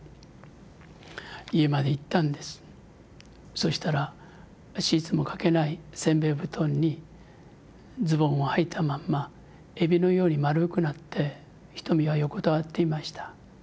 そしたらシーツも掛けないせんべい布団にズボンをはいたまんまエビのように丸くなってひとみが横たわっていました。